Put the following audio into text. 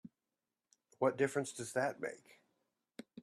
What difference does that make?